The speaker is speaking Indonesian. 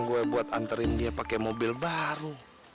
gue buat anterin dia pake mobil baru